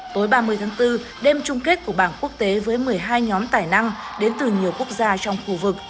tối ba mươi tháng bốn đêm chung kết của bảng quốc tế với một mươi hai nhóm tài năng đến từ nhiều quốc gia trong khu vực